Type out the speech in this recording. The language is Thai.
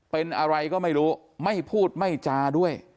เป็นอะไรก็ไม่รู้ไม่พูดไม่จาด้วย